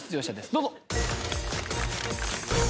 どうぞ。